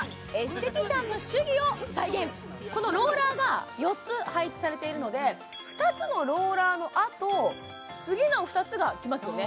このローラーが４つ配置されているので２つのローラーのあと次の２つが来ますよね